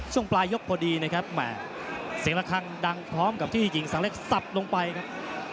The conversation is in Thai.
ช่วงปลายยกพอดีนะครับแหม่เสียงระคังดังพร้อมกับที่หญิงสังเล็กสับลงไปครับ